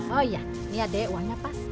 oh iya ini adek warnanya pas